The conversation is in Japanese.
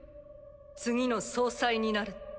次の総裁になるって。